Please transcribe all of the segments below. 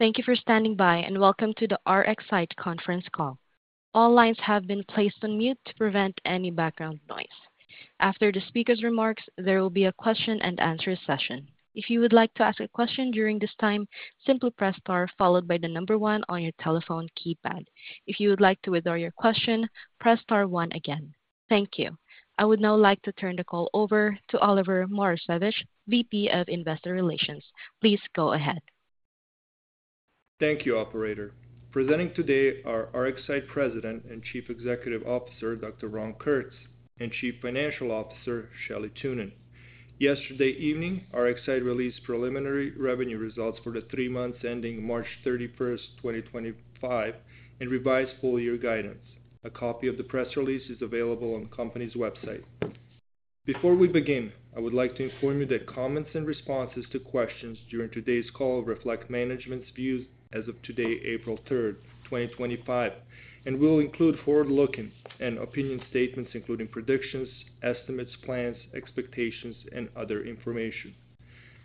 Thank you for standing by, and welcome to the RxSight conference call. All lines have been placed on mute to prevent any background noise. After the speakers' remarks, there will be a question-and-answer session. If you would like to ask a question during this time, simply press star followed by the number one on your telephone keypad. If you would like to withdraw your question, press star one again. Thank you. I would now like to turn the call over to Oliver Moravcevic, VP of Investor Relations. Please go ahead. Thank you, Operator. Presenting today are RxSight President and Chief Executive Officer Dr. Ron Kurtz and Chief Financial Officer Shelley Thunen. Yesterday evening, RxSight released preliminary revenue results for the three months ending March 31st, 2025, and revised full-year guidance. A copy of the press release is available on the company's website. Before we begin, I would like to inform you that comments and responses to questions during today's call reflect management's views as of today, April 3rd, 2025, and will include forward-looking and opinion statements including predictions, estimates, plans, expectations, and other information.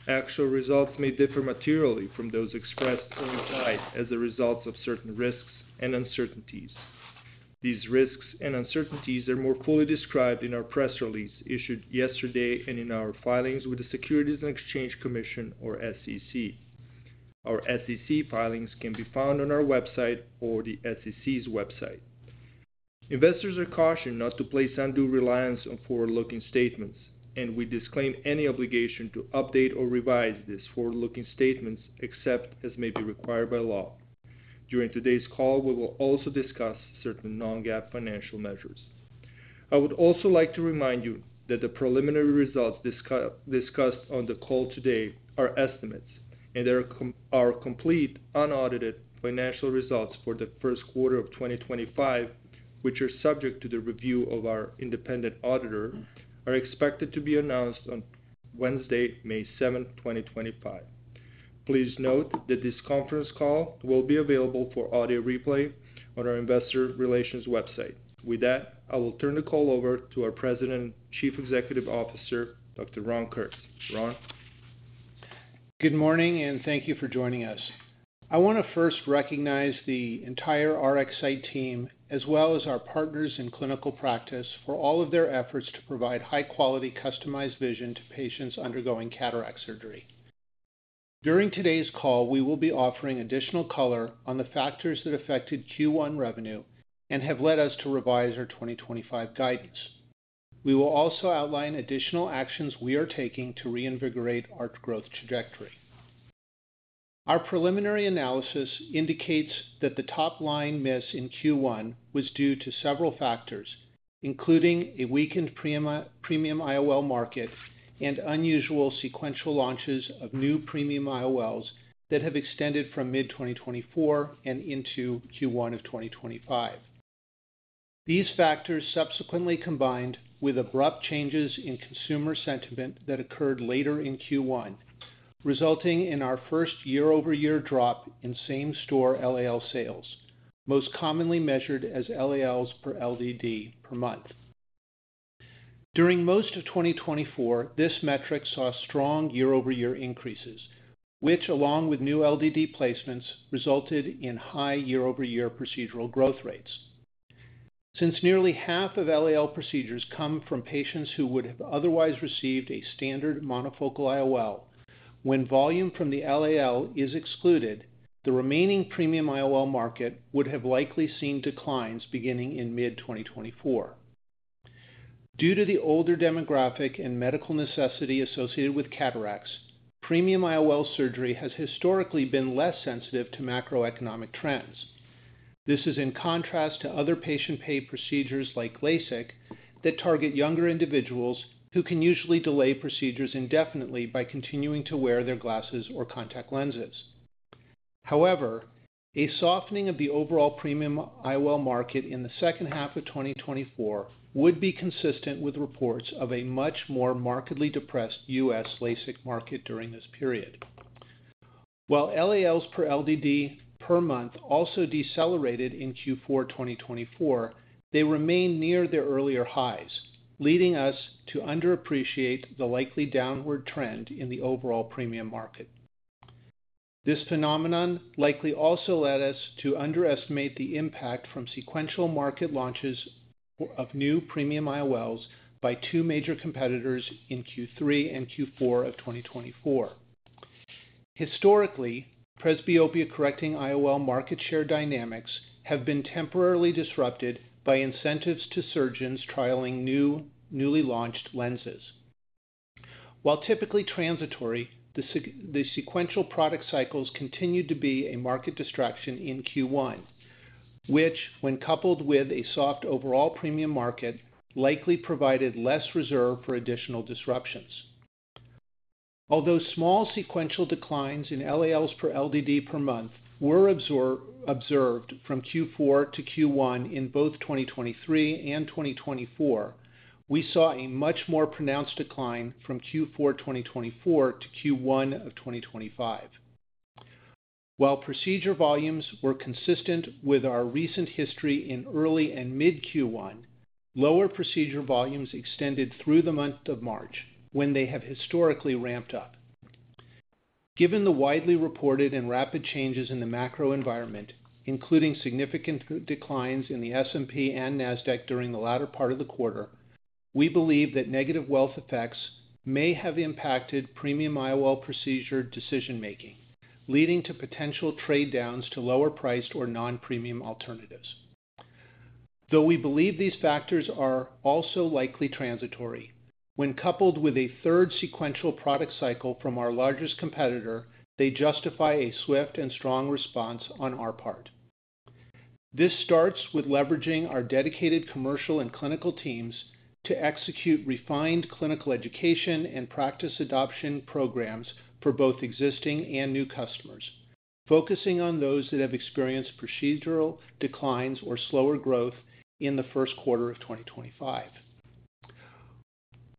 Actual results may differ materially from those expressed or implied as the results of certain risks and uncertainties. These risks and uncertainties are more fully described in our press release issued yesterday and in our filings with the Securities and Exchange Commission, or SEC. Our SEC filings can be found on our website or the SEC's website. Investors are cautioned not to place undue reliance on forward-looking statements, and we disclaim any obligation to update or revise these forward-looking statements except as may be required by law. During today's call, we will also discuss certain non-GAAP financial measures. I would also like to remind you that the preliminary results discussed on the call today are estimates, and there are complete, unaudited financial results for the first quarter of 2025, which are subject to the review of our independent auditor, are expected to be announced on Wednesday, May 7th, 2025. Please note that this conference call will be available for audio replay on our Investor Relations website. With that, I will turn the call over to our President and Chief Executive Officer, Dr. Ron Kurtz. Ron Good morning, and thank you for joining us. I want to first recognize the entire RxSight team, as well as our partners in clinical practice, for all of their efforts to provide high-quality, customized vision to patients undergoing cataract surgery. During today's call, we will be offering additional color on the factors that affected Q1 revenue and have led us to revise our 2025 guidance. We will also outline additional actions we are taking to reinvigorate our growth trajectory. Our preliminary analysis indicates that the top-line miss in Q1 was due to several factors, including a weakened premium IOL market and unusual sequential launches of new premium IOLs that have extended from mid-2024 and into Q1 of 2025. These factors subsequently combined with abrupt changes in consumer sentiment that occurred later in Q1, resulting in our first year-over-year drop in same-store LAL sales, most commonly measured as LALs per LDD per month. During most of 2024, this metric saw strong year-over-year increases, which, along with new LDD placements, resulted in high year-over-year procedural growth rates. Since nearly half of LAL procedures come from patients who would have otherwise received a standard monofocal IOL, when volume from the LAL is excluded, the remaining premium IOL market would have likely seen declines beginning in mid-2024. Due to the older demographic and medical necessity associated with cataracts, premium IOL surgery has historically been less sensitive to macroeconomic trends. This is in contrast to other patient-pay procedures like LASIK that target younger individuals who can usually delay procedures indefinitely by continuing to wear their glasses or contact lenses. However, a softening of the overall premium IOL market in the second half of 2024 would be consistent with reports of a much more markedly depressed U.S. LASIK market during this period. While LALs per LDD per month also decelerated in Q4 2024, they remained near their earlier highs, leading us to underappreciate the likely downward trend in the overall premium market. This phenomenon likely also led us to underestimate the impact from sequential market launches of new premium IOLs by two major competitors in Q3 and Q4 of 2024. Historically, presbyopia-correcting IOL market share dynamics have been temporarily disrupted by incentives to surgeons trialing newly launched lenses. While typically transitory, the sequential product cycles continued to be a market distraction in Q1, which, when coupled with a soft overall premium market, likely provided less reserve for additional disruptions. Although small sequential declines in LALs per LDD per month were observed from Q4 to Q1 in both 2023 and 2024, we saw a much more pronounced decline from Q4 2024 to Q1 of 2025. While procedure volumes were consistent with our recent history in early and mid-Q1, lower procedure volumes extended through the month of March, when they have historically ramped up. Given the widely reported and rapid changes in the macro environment, including significant declines in the S&P and NASDAQ during the latter part of the quarter, we believe that negative wealth effects may have impacted premium IOL procedure decision-making, leading to potential trade-downs to lower-priced or non-premium alternatives. Though we believe these factors are also likely transitory, when coupled with a third sequential product cycle from our largest competitor, they justify a swift and strong response on our part. This starts with leveraging our dedicated commercial and clinical teams to execute refined clinical education and practice adoption programs for both existing and new customers, focusing on those that have experienced procedural declines or slower growth in the first quarter of 2025.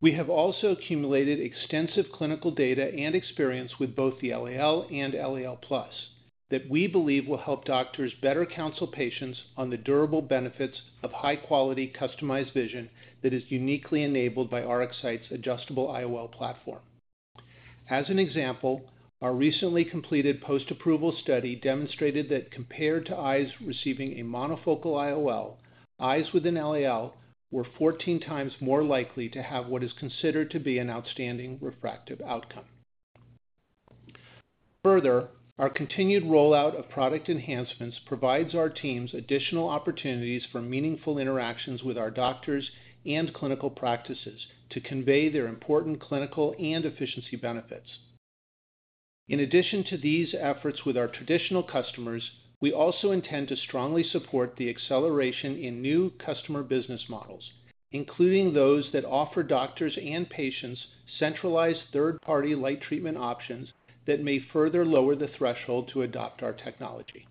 We have also accumulated extensive clinical data and experience with both the LAL and LAL+ that we believe will help doctors better counsel patients on the durable benefits of high-quality customized vision that is uniquely enabled by RxSight's adjustable IOL platform. As an example, our recently completed post-approval study demonstrated that compared to eyes receiving a monofocal IOL, eyes with an LAL were 14x more likely to have what is considered to be an outstanding refractive outcome. Further, our continued rollout of product enhancements provides our teams additional opportunities for meaningful interactions with our doctors and clinical practices to convey their important clinical and efficiency benefits. In addition to these efforts with our traditional customers, we also intend to strongly support the acceleration in new customer business models, including those that offer doctors and patients centralized third-party light treatment options that may further lower the threshold to adopt our technology.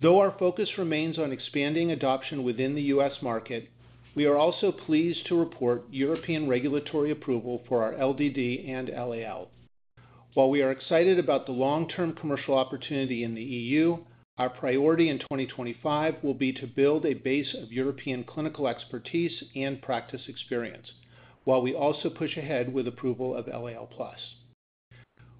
Though our focus remains on expanding adoption within the U.S. market, we are also pleased to report European regulatory approval for our LDD and LAL. While we are excited about the long-term commercial opportunity in the EU, our priority in 2025 will be to build a base of European clinical expertise and practice experience, while we also push ahead with approval of LAL+.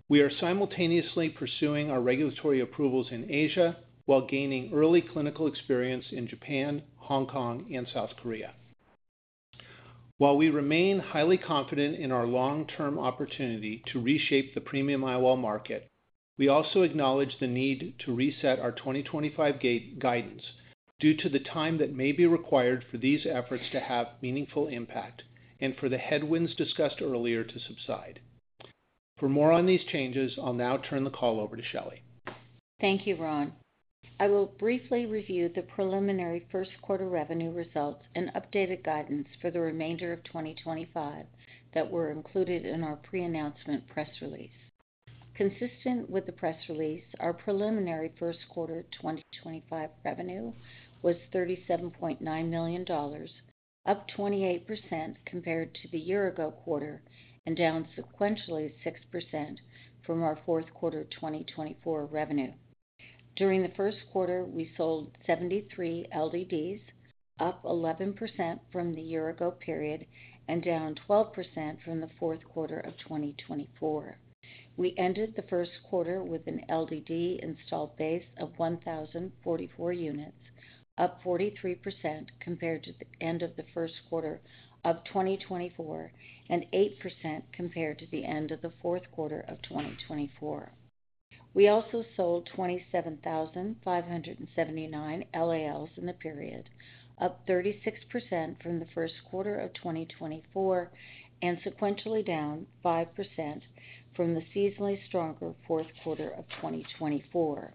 We are simultaneously pursuing our regulatory approvals in Asia while gaining early clinical experience in Japan, Hong Kong, and South Korea. While we remain highly confident in our long-term opportunity to reshape the premium IOL market, we also acknowledge the need to reset our 2025 guidance due to the time that may be required for these efforts to have meaningful impact and for the headwinds discussed earlier to subside. For more on these changes, I'll now turn the call over to Shelley. Thank you, Ron. I will briefly review the preliminary first-quarter revenue results and updated guidance for the remainder of 2025 that were included in our pre-announcement press release. Consistent with the press release, our preliminary first-quarter 2025 revenue was $37.9 million, up 28% compared to the year-ago quarter, and down sequentially 6% from our fourth-quarter 2024 revenue. During the first quarter, we sold 73 LDDs, up 11% from the year-ago period and down 12% from the fourth quarter of 2024. We ended the first quarter with an LDD installed base of 1,044 units, up 43% compared to the end of the first quarter of 2024 and 8% compared to the end of the fourth quarter of 2024. We also sold 27,579 LALs in the period, up 36% from the first quarter of 2024 and sequentially down 5% from the seasonally stronger fourth quarter of 2024.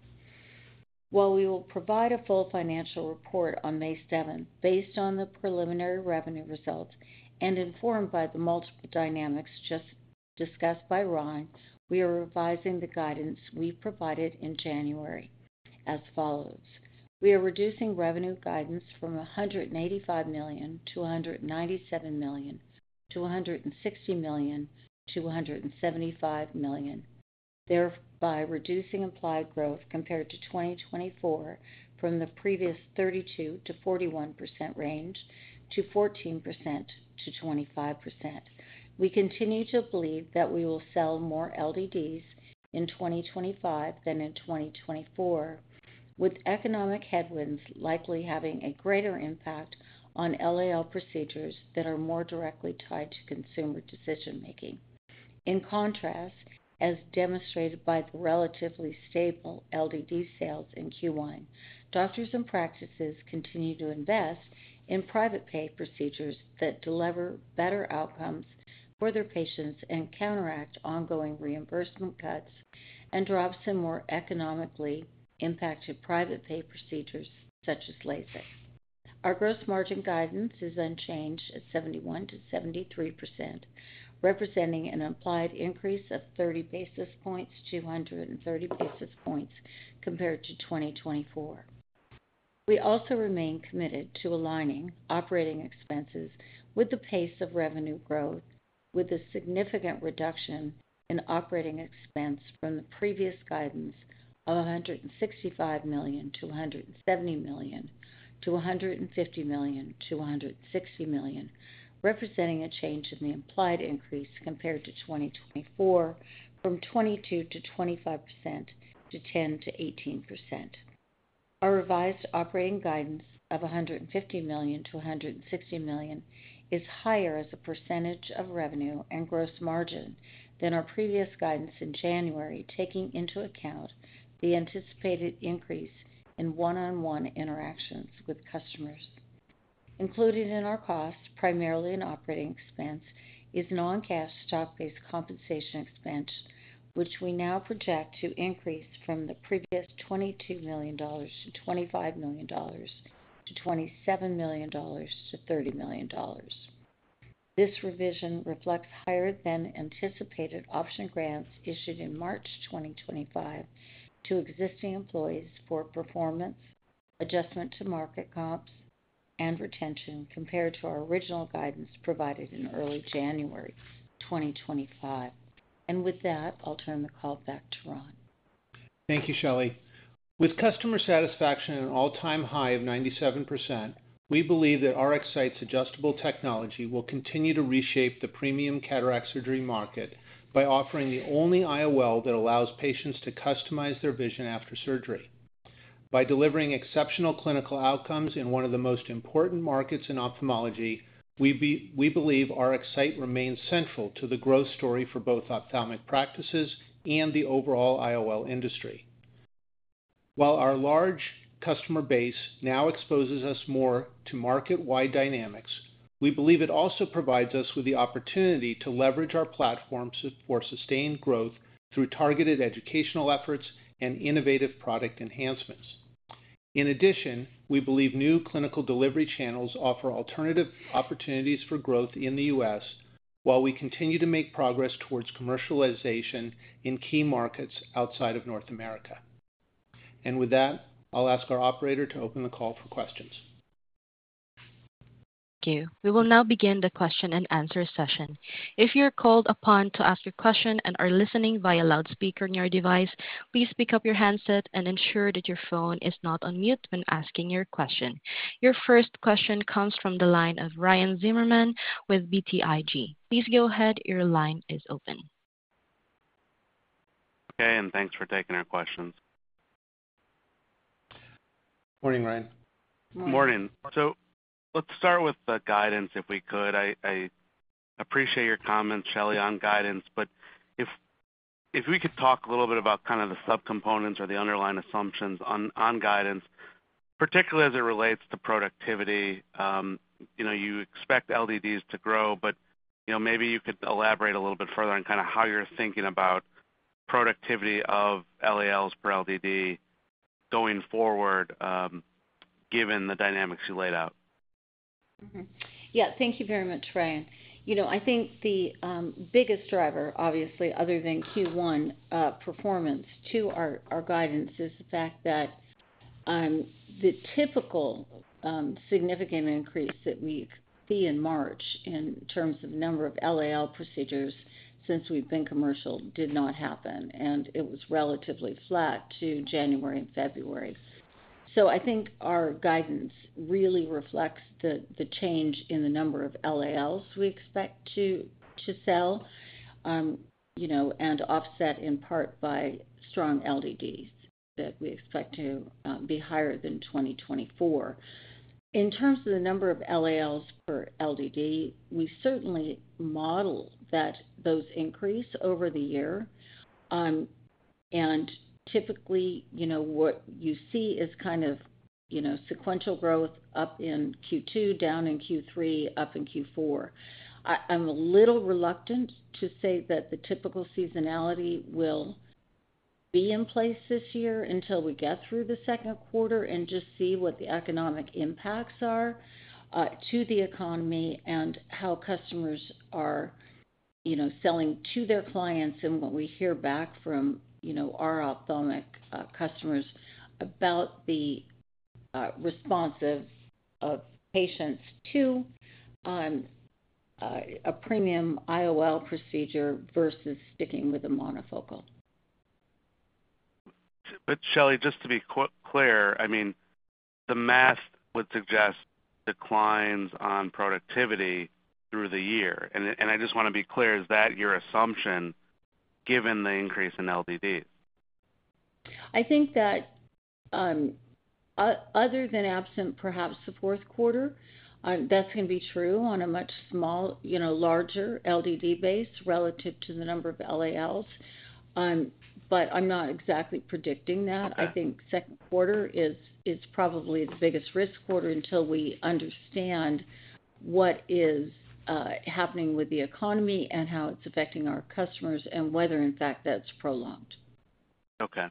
While we will provide a full financial report on May 7 based on the preliminary revenue results and informed by the multiple dynamics just discussed by Ron, we are revising the guidance we provided in January as follows. We are reducing revenue guidance from $185 million-$197 million to $160 million-$175 million, thereby reducing implied growth compared to 2024 from the previous 32%-41% range to 14%-25%. We continue to believe that we will sell more LDDs in 2025 than in 2024, with economic headwinds likely having a greater impact on LAL procedures that are more directly tied to consumer decision-making. In contrast, as demonstrated by the relatively stable LDD sales in Q1, doctors and practices continue to invest in private-pay procedures that deliver better outcomes for their patients and counteract ongoing reimbursement cuts and drop some more economically impacted private-pay procedures such as LASIK. Our gross margin guidance is unchanged at 71%-73%, representing an implied increase of 30 basis points to 130 basis points compared to 2024. We also remain committed to aligning operating expenses with the pace of revenue growth, with a significant reduction in operating expense from the previous guidance of $165 million-$170 million to $150 million-$160 million, representing a change in the implied increase compared to 2024 from 22%-25% to 10%-18%. Our revised operating guidance of $150 million-$160 million is higher as a percentage of revenue and gross margin than our previous guidance in January, taking into account the anticipated increase in one-on-one interactions with customers. Included in our cost, primarily in operating expense, is non-cash stock-based compensation expense, which we now project to increase from the previous $22 million-$25 million to $27 million-$30 million. This revision reflects higher-than-anticipated option grants issued in March 2025 to existing employees for performance, adjustment to market comps, and retention compared to our original guidance provided in early January 2025. With that, I'll turn the call back to Ron. Thank you, Shelley. With customer satisfaction at an all-time high of 97%, we believe that RxSight's adjustable technology will continue to reshape the premium cataract surgery market by offering the only IOL that allows patients to customize their vision after surgery. By delivering exceptional clinical outcomes in one of the most important markets in ophthalmology, we believe RxSight remains central to the growth story for both ophthalmic practices and the overall IOL industry. While our large customer base now exposes us more to market-wide dynamics, we believe it also provides us with the opportunity to leverage our platform for sustained growth through targeted educational efforts and innovative product enhancements. In addition, we believe new clinical delivery channels offer alternative opportunities for growth in the U.S. while we continue to make progress towards commercialization in key markets outside of North America. With that, I'll ask our operator to open the call for questions. Thank you. We will now begin the question-and-answer session. If you're called upon to ask your question and are listening via loudspeaker near your device, please pick up your handset and ensure that your phone is not on mute when asking your question. Your first question comes from the line of Ryan Zimmerman with BTIG. Please go ahead. Your line is open. Okay, and thanks for taking our questions. Morning, Ryan. Morning. Let's start with the guidance, if we could. I appreciate your comments, Shelley, on guidance, but if we could talk a little bit about kind of the subcomponents or the underlying assumptions on guidance, particularly as it relates to productivity. You expect LDDs to grow, but maybe you could elaborate a little bit further on kind of how you're thinking about productivity of LALs per LDD going forward, given the dynamics you laid out. Yeah, thank you very much, Ryan. You know, I think the biggest driver, obviously, other than Q1 performance to our guidance, is the fact that the typical significant increase that we see in March in terms of the number of LAL procedures since we've been commercial did not happen, and it was relatively flat to January and February. I think our guidance really reflects the change in the number of LALs we expect to sell, you know, and offset in part by strong LDDs that we expect to be higher than 2024. In terms of the number of LALs per LDD, we certainly model that those increase over the year. Typically, you know, what you see is kind of, you know, sequential growth up in Q2, down in Q3, up in Q4. I'm a little reluctant to say that the typical seasonality will be in place this year until we get through the second quarter and just see what the economic impacts are to the economy and how customers are, you know, selling to their clients and what we hear back from, you know, our ophthalmic customers about the responses of patients to a premium IOL procedure versus sticking with a monofocal. Shelley, just to be clear, I mean, the math would suggest declines on productivity through the year. I just want to be clear, is that your assumption given the increase in LDDs? I think that other than absent perhaps the fourth quarter, that's going to be true on a much, you know, larger LDD base relative to the number of LALs. I'm not exactly predicting that. I think second quarter is probably the biggest risk quarter until we understand what is happening with the economy and how it's affecting our customers and whether, in fact, that's prolonged. Okay.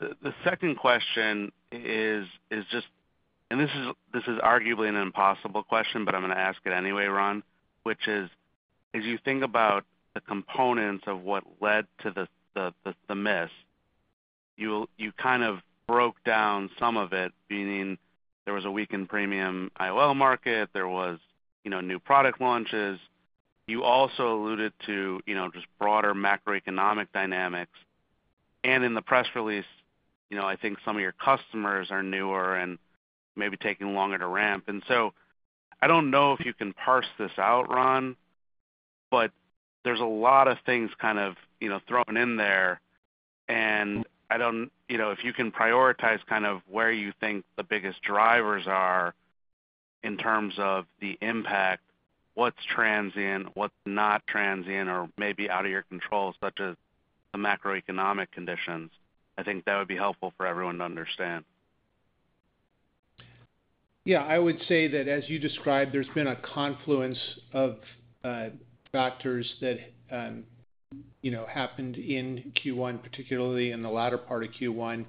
The second question is just, and this is arguably an impossible question, but I'm going to ask it anyway, Ron, which is, as you think about the components of what led to the miss, you kind of broke down some of it, meaning there was a weakened premium IOL market, there was, you know, new product launches. You also alluded to, you know, just broader macroeconomic dynamics. In the press release, you know, I think some of your customers are newer and maybe taking longer to ramp. I don't know if you can parse this out, Ron, but there's a lot of things kind of, you know, thrown in there. I don't, you know, if you can prioritize kind of where you think the biggest drivers are in terms of the impact, what's transient, what's not transient, or maybe out of your control, such as the macroeconomic conditions, I think that would be helpful for everyone to understand. Yeah, I would say that as you described, there's been a confluence of factors that, you know, happened in Q1, particularly in the latter part of Q1.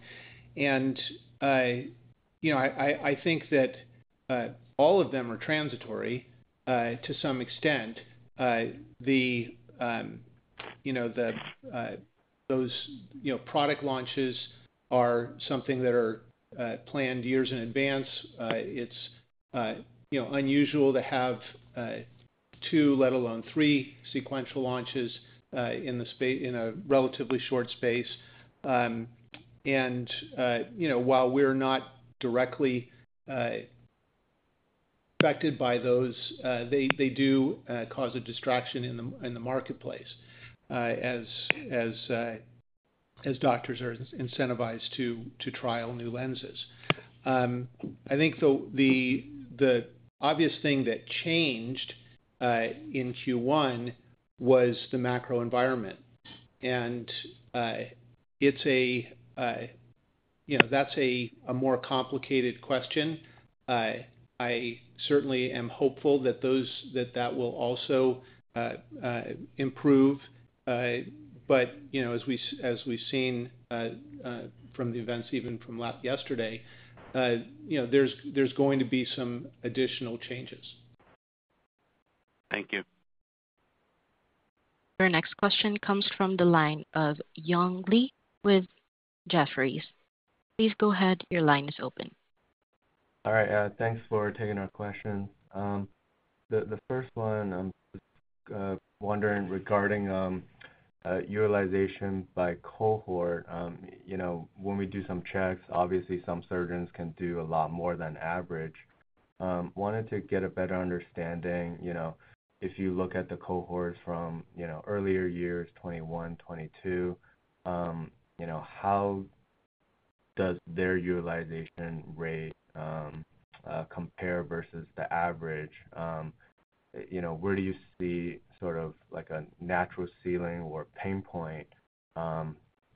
I think that all of them are transitory to some extent. Those product launches are something that are planned years in advance. It's unusual to have two, let alone three sequential launches in a relatively short space. You know, while we're not directly affected by those, they do cause a distraction in the marketplace as doctors are incentivized to trial new lenses. I think the obvious thing that changed in Q1 was the macro environment. It's a more complicated question. I certainly am hopeful that that will also improve. You know, as we've seen from the events even from yesterday, you know, there's going to be some additional changes. Thank you. Our next question comes from the line of Young Li with Jefferies. Please go ahead. Your line is open. All right. Thanks for taking our question. The first one, I'm wondering regarding utilization by cohort. You know, when we do some checks, obviously some surgeons can do a lot more than average. I wanted to get a better understanding, you know, if you look at the cohorts from, you know, earlier years, 2021, 2022, you know, how does their utilization rate compare versus the average? You know, where do you see sort of like a natural ceiling or pain point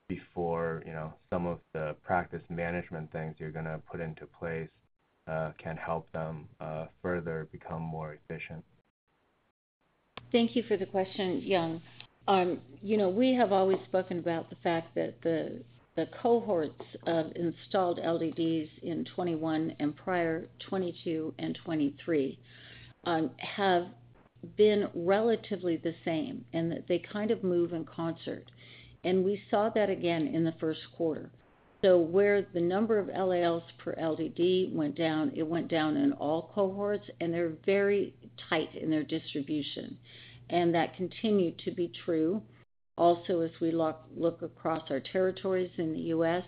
before, you know, some of the practice management things you're going to put into place can help them further become more efficient? Thank you for the question, Young. You know, we have always spoken about the fact that the cohorts of installed LDDs in 2021 and prior, 2022 and 2023, have been relatively the same and that they kind of move in concert. We saw that again in the first quarter. Where the number of LALs per LDD went down, it went down in all cohorts, and they are very tight in their distribution. That continued to be true. Also, as we look across our territories in the U.S.,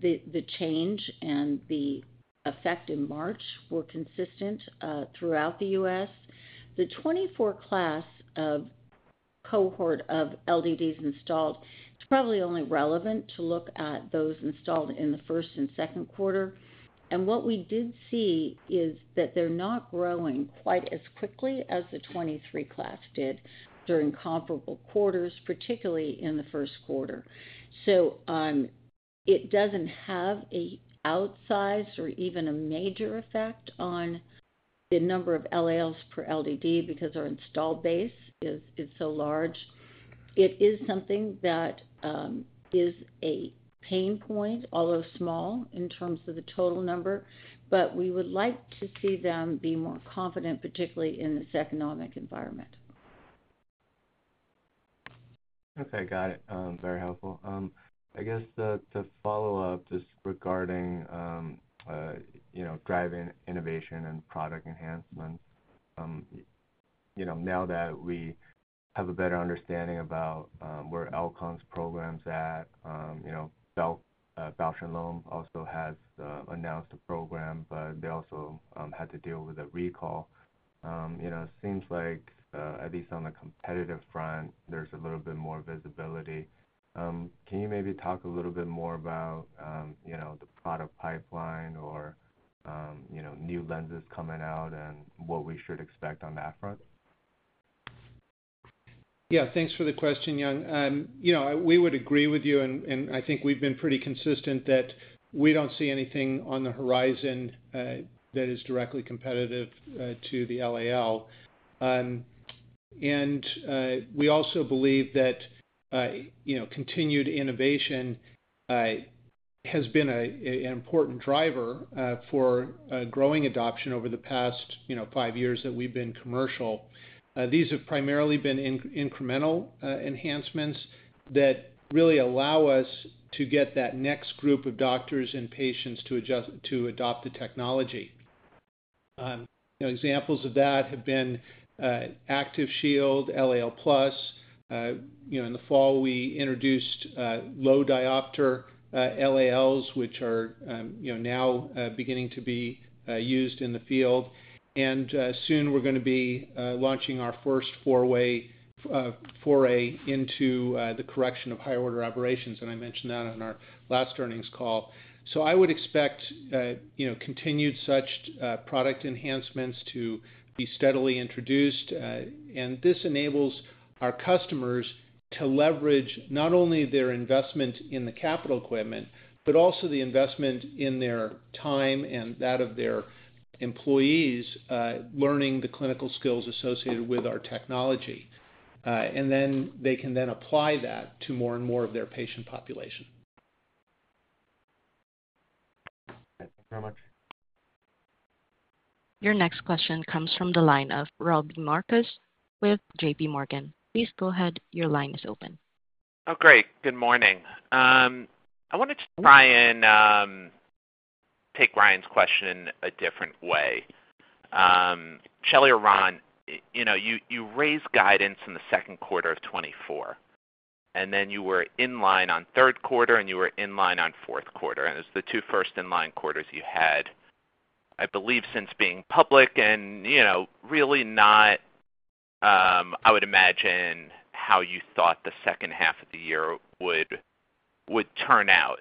the change and the effect in March were consistent throughout the U.S. The 2024 class of cohort of LDDs installed, it is probably only relevant to look at those installed in the first and second quarter. What we did see is that they are not growing quite as quickly as the 2023 class did during comparable quarters, particularly in the first quarter. It does not have an outsized or even a major effect on the number of LALs per LDD because our install base is so large. It is something that is a pain point, although small in terms of the total number, but we would like to see them be more confident, particularly in this economic environment. Okay, got it. Very helpful. I guess the follow-up just regarding, you know, driving innovation and product enhancement. You know, now that we have a better understanding about where Alcon's program's at, you know, Bausch + Lomb also has announced a program, but they also had to deal with a recall. You know, it seems like, at least on the competitive front, there's a little bit more visibility. Can you maybe talk a little bit more about, you know, the product pipeline or, you know, new lenses coming out and what we should expect on that front? Yeah, thanks for the question, Young. You know, we would agree with you, and I think we've been pretty consistent that we don't see anything on the horizon that is directly competitive to the LAL. And we also believe that, you know, continued innovation has been an important driver for growing adoption over the past, you know, five years that we've been commercial. These have primarily been incremental enhancements that really allow us to get that next group of doctors and patients to adopt the technology. You know, examples of that have been ActivShield, LAL+. You know, in the fall, we introduced low diopter LALs, which are, you know, now beginning to be used in the field. And soon we're going to be launching our first foray into the correction of higher order aberrations. And I mentioned that on our last earnings call. I would expect, you know, continued such product enhancements to be steadily introduced. This enables our customers to leverage not only their investment in the capital equipment, but also the investment in their time and that of their employees learning the clinical skills associated with our technology. They can then apply that to more and more of their patient population. Thank you very much. Your next question comes from the line of Rob Marcus with JPMorgan. Please go ahead. Your line is open. Oh, great. Good morning. I wanted to try and take Ryan's question a different way. Shelley or Ron, you know, you raised guidance in the second quarter of 2024, and then you were in line on third quarter, and you were in line on fourth quarter. It was the two first in line quarters you had, I believe, since being public and, you know, really not, I would imagine, how you thought the second half of the year would turn out.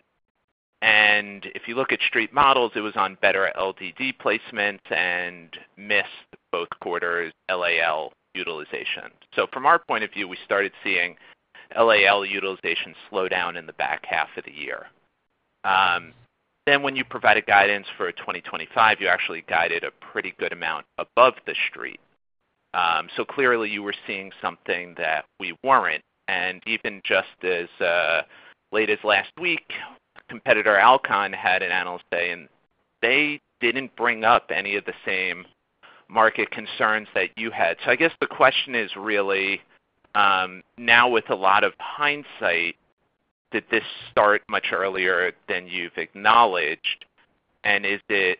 If you look at street models, it was on better LDD placements and missed both quarters LAL utilization. From our point of view, we started seeing LAL utilization slow down in the back half of the year. When you provided guidance for 2025, you actually guided a pretty good amount above the street. Clearly, you were seeing something that we were not. Even just as late as last week, competitor Alcon had an Analyst Day, and they did not bring up any of the same market concerns that you had. I guess the question is really, now with a lot of hindsight, did this start much earlier than you have acknowledged? Is it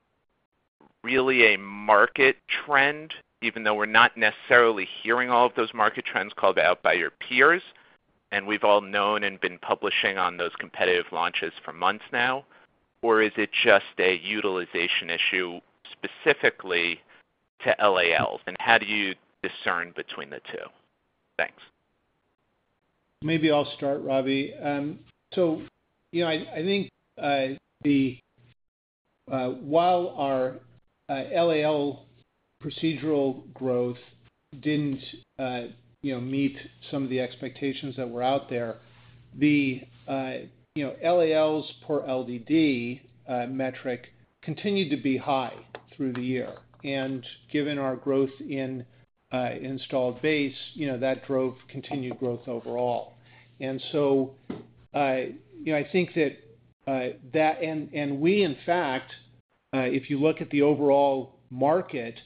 really a market trend, even though we are not necessarily hearing all of those market trends called out by your peers? We have all known and been publishing on those competitive launches for months now. Is it just a utilization issue specifically to LALs? How do you discern between the two? Thanks. Maybe I'll start, Robbie. You know, I think while our LAL procedural growth didn't, you know, meet some of the expectations that were out there, the, you know, LALs per LDD metric continued to be high through the year. Given our growth in installed base, you know, that drove continued growth overall. You know, I think that that, and we, in fact, if you look at the overall market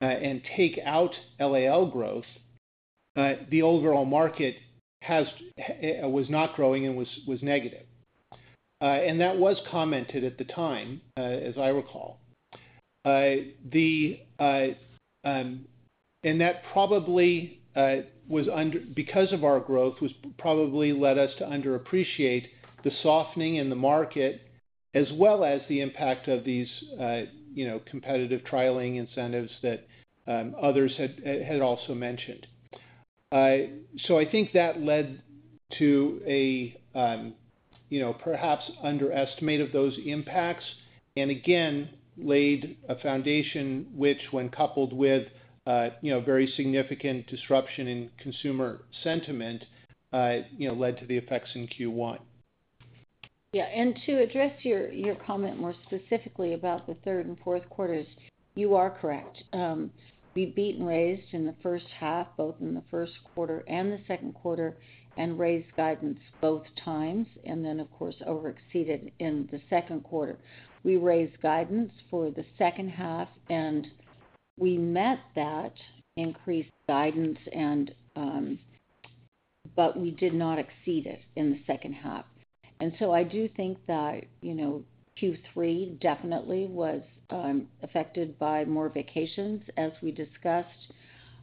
and take out LAL growth, the overall market was not growing and was negative. That was commented at the time, as I recall. That probably was under, because of our growth, was probably led us to underappreciate the softening in the market, as well as the impact of these, you know, competitive trialing incentives that others had also mentioned. I think that led to a, you know, perhaps underestimate of those impacts and again laid a foundation which, when coupled with, you know, very significant disruption in consumer sentiment, you know, led to the effects in Q1. Yeah. To address your comment more specifically about the third and fourth quarters, you are correct. We beat and raised in the first half, both in the first quarter and the second quarter, and raised guidance both times. Of course, overexceeded in the second quarter. We raised guidance for the second half, and we met that increased guidance, but we did not exceed it in the second half. I do think that, you know, Q3 definitely was affected by more vacations, as we discussed.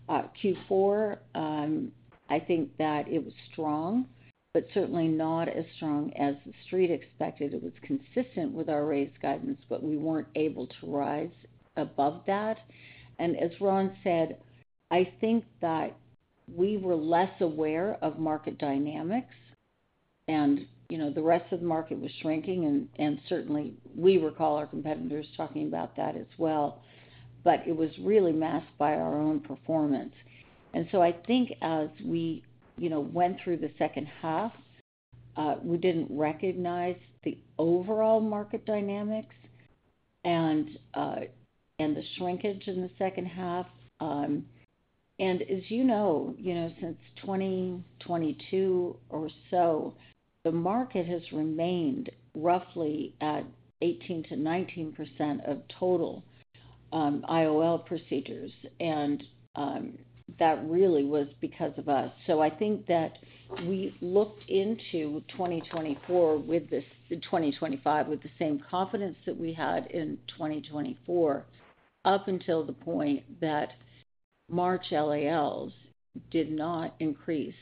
Q4, I think that it was strong, but certainly not as strong as the street expected. It was consistent with our raised guidance, but we were not able to rise above that. As Ron said, I think that we were less aware of market dynamics. You know, the rest of the market was shrinking. Certainly, we recall our competitors talking about that as well. It was really masked by our own performance. I think as we, you know, went through the second half, we did not recognize the overall market dynamics and the shrinkage in the second half. As you know, since 2022 or so, the market has remained roughly at 18%-19% of total IOL procedures. That really was because of us. I think that we looked into 2024 with this, 2025 with the same confidence that we had in 2024 up until the point that March LALs did not increase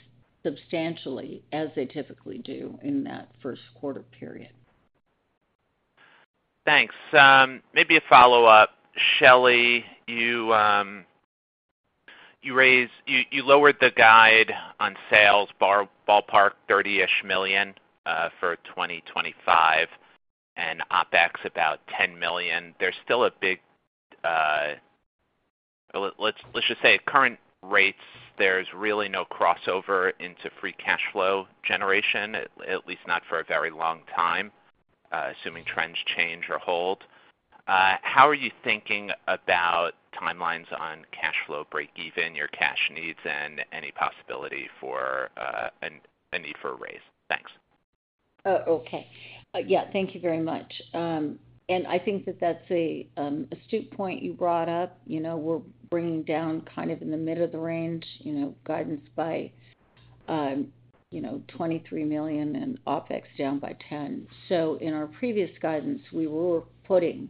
substantially as they typically do in that first quarter period. Thanks. Maybe a follow-up. Shelley, you raised, you lowered the guide on sales, ballpark $30 million for 2025 and OpEx about $10 million. There's still a big, let's just say at current rates, there's really no crossover into free cash flow generation, at least not for a very long time, assuming trends change or hold. How are you thinking about timelines on cash flow breakeven, your cash needs, and any possibility for a need for a raise? Thanks. Oh, okay. Yeah, thank you very much. I think that that's an astute point you brought up. You know, we're bringing down kind of in the middle of the range, you know, guidance by, you know, $23 million and OpEx down by 10. In our previous guidance, we were putting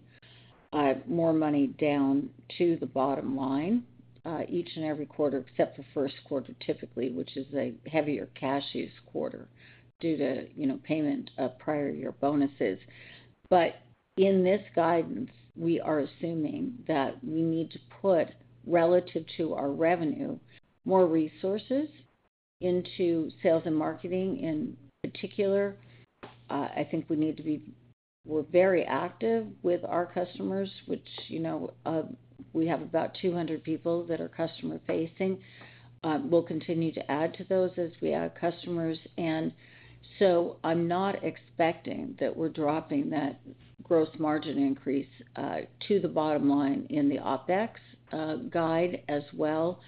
more money down to the bottom line each and every quarter except for first quarter typically, which is a heavier cash use quarter due to, you know, payment of prior year bonuses. In this guidance, we are assuming that we need to put relative to our revenue more resources into sales and marketing in particular. I think we need to be, we're very active with our customers, which, you know, we have about 200 people that are customer-facing. We'll continue to add to those as we add customers. I'm not expecting that we're dropping that gross margin increase to the bottom line in the OpEx guide as well.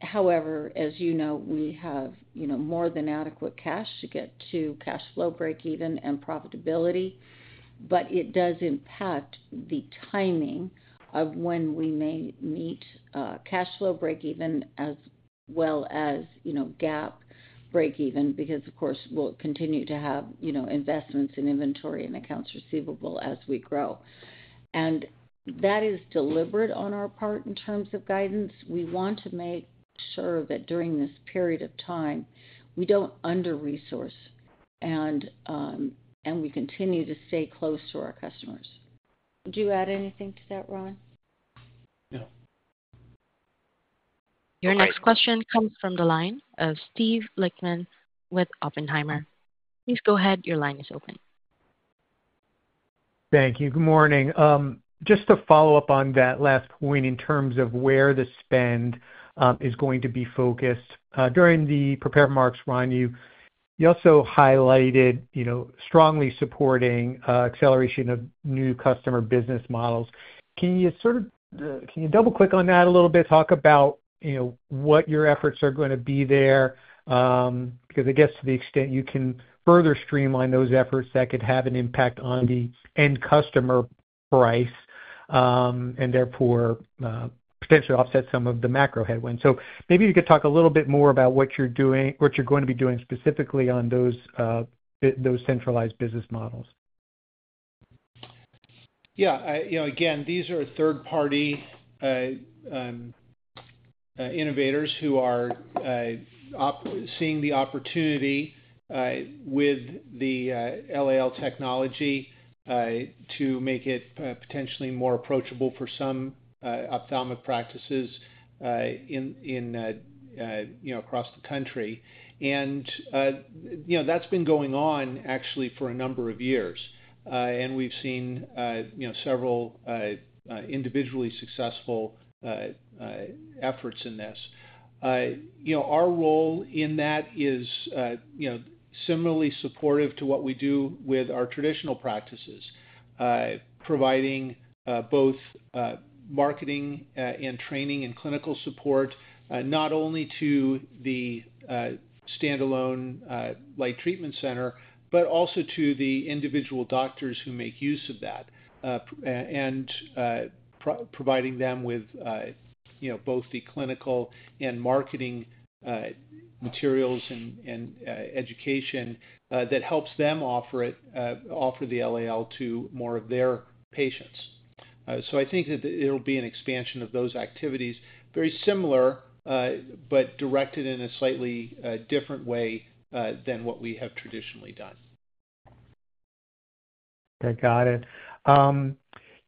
However, as you know, we have, you know, more than adequate cash to get to cash flow breakeven and profitability. It does impact the timing of when we may meet cash flow breakeven as well as, you know, GAAP breakeven because, of course, we'll continue to have, you know, investments in inventory and accounts receivable as we grow. That is deliberate on our part in terms of guidance. We want to make sure that during this period of time, we don't under-resource and we continue to stay close to our customers. Do you add anything to that, Ron? No. Your next question comes from the line of Steve Lichtman with Oppenheimer. Please go ahead. Your line is open. Thank you. Good morning. Just to follow up on that last point in terms of where the spend is going to be focused. During the prepared remarks, Ron, you also highlighted, you know, strongly supporting acceleration of new customer business models. Can you sort of, can you double-click on that a little bit? Talk about, you know, what your efforts are going to be there because I guess to the extent you can further streamline those efforts that could have an impact on the end customer price and therefore potentially offset some of the macro headwinds. Maybe you could talk a little bit more about what you're doing, what you're going to be doing specifically on those centralized business models. Yeah. You know, again, these are third-party innovators who are seeing the opportunity with the LAL technology to make it potentially more approachable for some ophthalmic practices in, you know, across the country. You know, that's been going on actually for a number of years. We've seen, you know, several individually successful efforts in this. You know, our role in that is, you know, similarly supportive to what we do with our traditional practices, providing both marketing and training and clinical support, not only to the standalone light treatment center, but also to the individual doctors who make use of that and providing them with, you know, both the clinical and marketing materials and education that helps them offer it, offer the LAL to more of their patients. I think that it'll be an expansion of those activities, very similar, but directed in a slightly different way than what we have traditionally done. Okay. Got it.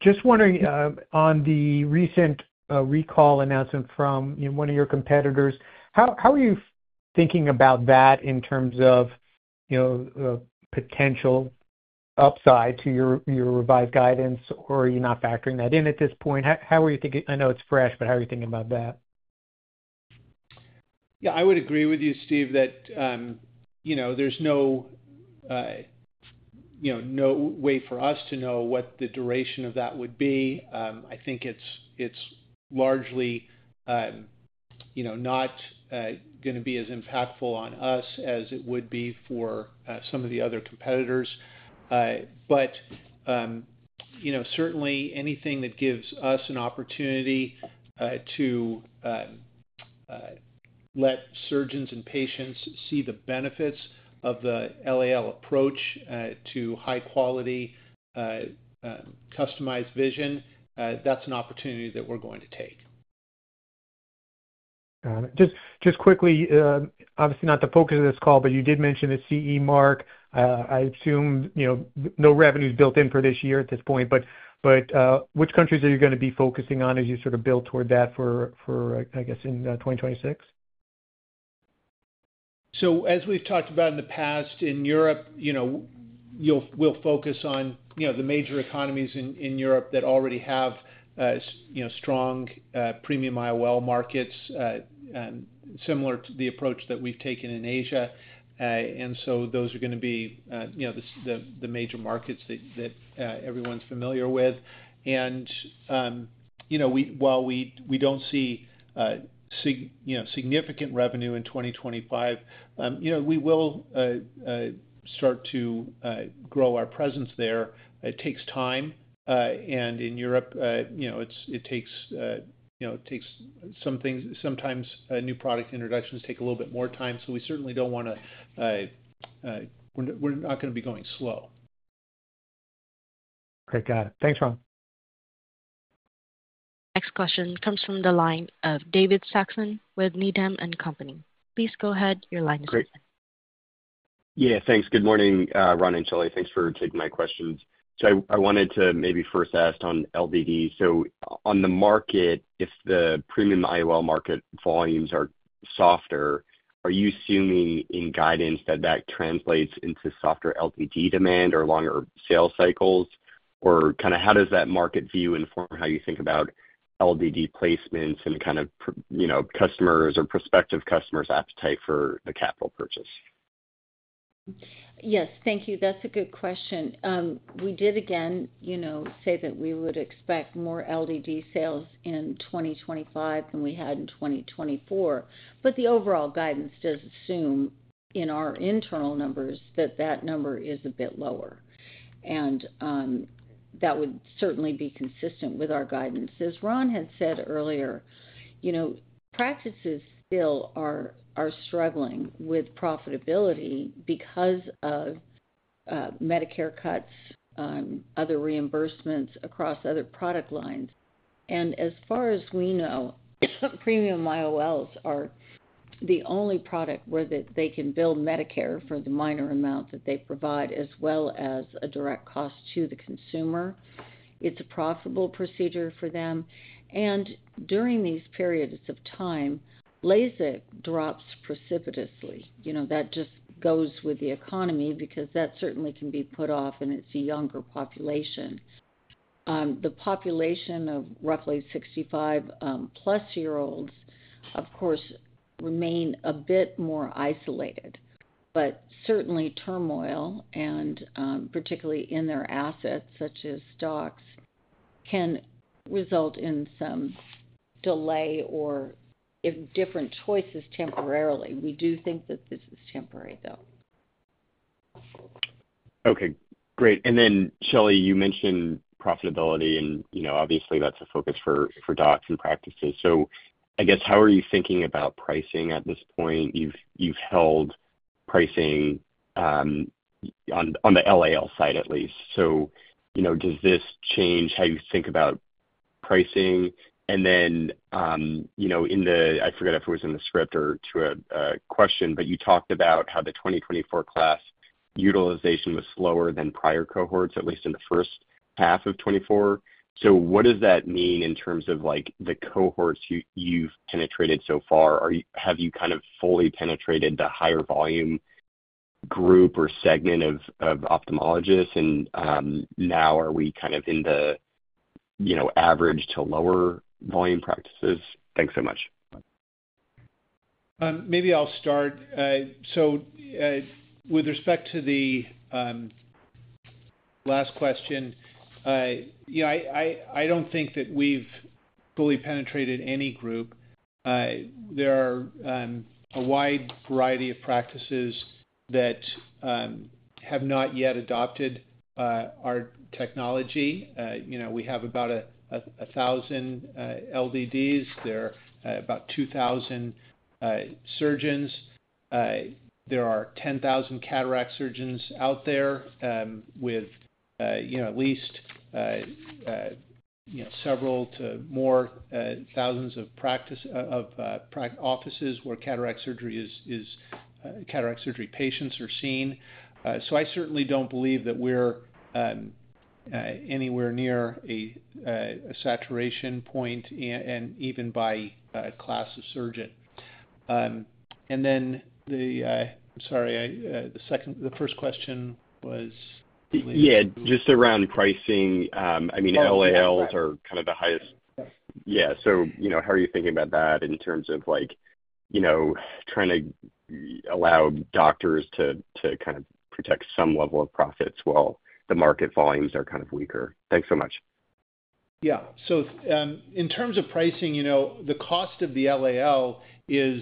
Just wondering on the recent recall announcement from, you know, one of your competitors, how are you thinking about that in terms of, you know, potential upside to your revised guidance, or are you not factoring that in at this point? How are you thinking? I know it's fresh, but how are you thinking about that? Yeah, I would agree with you, Steve, that, you know, there's no, you know, no way for us to know what the duration of that would be. I think it's largely, you know, not going to be as impactful on us as it would be for some of the other competitors. You know, certainly anything that gives us an opportunity to let surgeons and patients see the benefits of the LAL approach to high-quality customized vision, that's an opportunity that we're going to take. Got it. Just quickly, obviously not the focus of this call, but you did mention the CE Mark. I assume, you know, no revenue is built in for this year at this point, but which countries are you going to be focusing on as you sort of build toward that for, I guess, in 2026? As we've talked about in the past, in Europe, you know, we'll focus on, you know, the major economies in Europe that already have, you know, strong premium IOL markets similar to the approach that we've taken in Asia. Those are going to be, you know, the major markets that everyone's familiar with. You know, while we don't see, you know, significant revenue in 2025, you know, we will start to grow our presence there. It takes time. In Europe, you know, it takes, you know, it takes some things, sometimes new product introductions take a little bit more time. We certainly don't want to, we're not going to be going slow. Okay. Got it. Thanks, Ron. Next question comes from the line of David Saxon with Needham & Company. Please go ahead. Your line is open. Yeah. Thanks. Good morning, Ron and Shelley. Thanks for taking my questions. I wanted to maybe first ask on LDD. On the market, if the premium IOL market volumes are softer, are you assuming in guidance that that translates into softer LDD demand or longer sales cycles? How does that market view inform how you think about LDD placements and, you know, customers or prospective customers' appetite for a capital purchase? Yes. Thank you. That's a good question. We did, again, you know, say that we would expect more LDD sales in 2025 than we had in 2024. The overall guidance does assume in our internal numbers that that number is a bit lower. That would certainly be consistent with our guidance. As Ron had said earlier, you know, practices still are struggling with profitability because of Medicare cuts, other reimbursements across other product lines. As far as we know, premium IOLs are the only product where they can bill Medicare for the minor amount that they provide, as well as a direct cost to the consumer. It's a profitable procedure for them. During these periods of time, LASIK drops precipitously. You know, that just goes with the economy because that certainly can be put off and it's a younger population. The population of roughly 65+ year-olds, of course, remain a bit more isolated. Certainly turmoil, and particularly in their assets such as stocks, can result in some delay or different choices temporarily. We do think that this is temporary, though. Okay. Great. Shelley, you mentioned profitability and, you know, obviously that's a focus for docs and practices. I guess how are you thinking about pricing at this point? You've held pricing on the LAL side at least. You know, does this change how you think about pricing? In the, I forget if it was in the script or to a question, but you talked about how the 2024 class utilization was slower than prior cohorts, at least in the first half of 2024. What does that mean in terms of the cohorts you've penetrated so far? Have you kind of fully penetrated the higher volume group or segment of ophthalmologists? Are we kind of in the, you know, average to lower volume practices? Thanks so much. Maybe I'll start. With respect to the last question, you know, I don't think that we've fully penetrated any group. There are a wide variety of practices that have not yet adopted our technology. You know, we have about 1,000 LDDs. There are about 2,000 surgeons. There are 10,000 cataract surgeons out there with, you know, at least, you know, several to more thousands of practices or offices where cataract surgery patients are seen. I certainly don't believe that we're anywhere near a saturation point and even by class of surgeon. I'm sorry, the second, the first question was. Yeah. Just around pricing. I mean, LALs are kind of the highest. Yeah. You know, how are you thinking about that in terms of like, you know, trying to allow doctors to kind of protect some level of profits while the market volumes are kind of weaker? Thanks so much. Yeah. In terms of pricing, you know, the cost of the LAL is,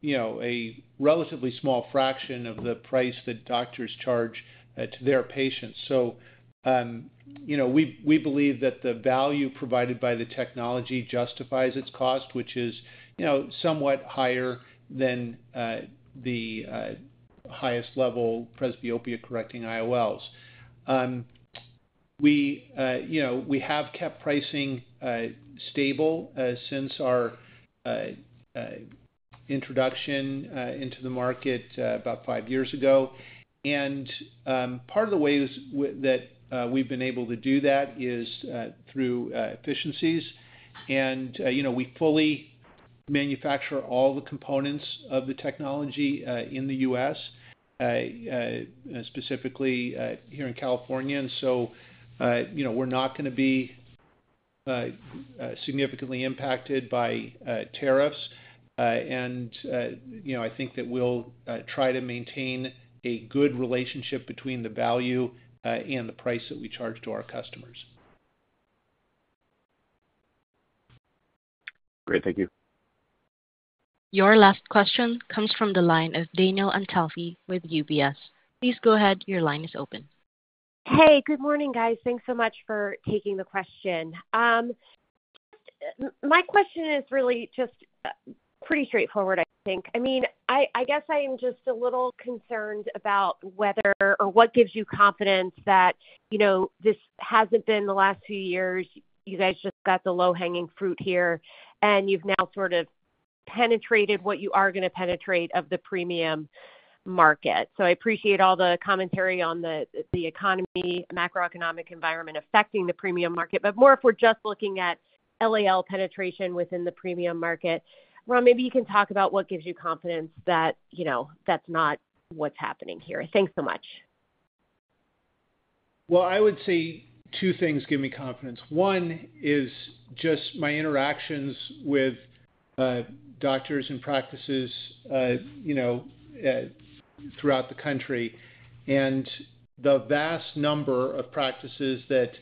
you know, a relatively small fraction of the price that doctors charge to their patients. You know, we believe that the value provided by the technology justifies its cost, which is, you know, somewhat higher than the highest level presbyopia-correcting IOLs. We, you know, have kept pricing stable since our introduction into the market about five years ago. Part of the way that we've been able to do that is through efficiencies. You know, we fully manufacture all the components of the technology in the U.S., specifically here in California. You know, we're not going to be significantly impacted by tariffs. I think that we'll try to maintain a good relationship between the value and the price that we charge to our customers. Great. Thank you. Your last question comes from the line of Danielle Antalffy with UBS. Please go ahead. Your line is open. Hey, good morning, guys. Thanks so much for taking the question. My question is really just pretty straightforward, I think. I mean, I guess I am just a little concerned about whether or what gives you confidence that, you know, this hasn't been the last few years. You guys just got the low-hanging fruit here, and you've now sort of penetrated what you are going to penetrate of the premium market. I appreciate all the commentary on the economy, macroeconomic environment affecting the premium market, but more if we're just looking at LAL penetration within the premium market. Ron, maybe you can talk about what gives you confidence that, you know, that's not what's happening here. Thanks so much. I would say two things give me confidence. One is just my interactions with doctors and practices, you know, throughout the country and the vast number of practices that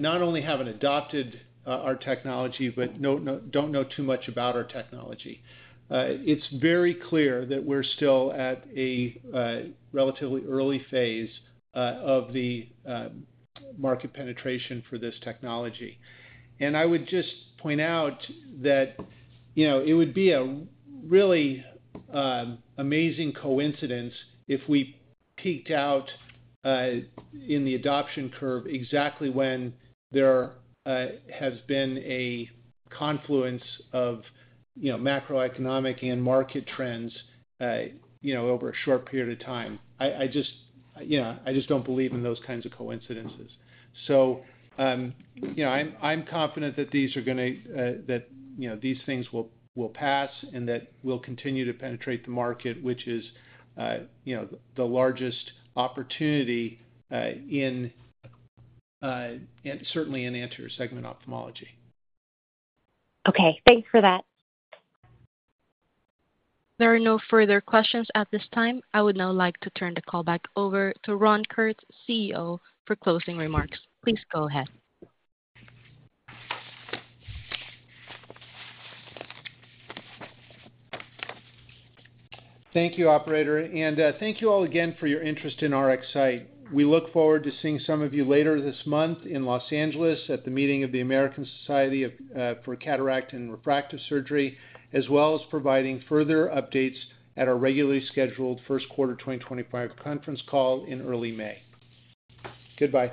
not only haven't adopted our technology, but don't know too much about our technology. It's very clear that we're still at a relatively early phase of the market penetration for this technology. I would just point out that, you know, it would be a really amazing coincidence if we peeked out in the adoption curve exactly when there has been a confluence of, you know, macroeconomic and market trends, you know, over a short period of time. I just, you know, I just don't believe in those kinds of coincidences. You know, I'm confident that these are going to, that, you know, these things will pass and that we'll continue to penetrate the market, which is, you know, the largest opportunity in, and certainly in anterior segment ophthalmology. Okay. Thanks for that. There are no further questions at this time. I would now like to turn the call back over to Ron Kurtz, CEO, for closing remarks. Please go ahead. Thank you, operator. Thank you all again for your interest in RxSight. We look forward to seeing some of you later this month in Los Angeles at the meeting of the American Society of Cataract and Refractive Surgery, as well as providing further updates at our regularly scheduled first quarter 2025 conference call in early May. Goodbye.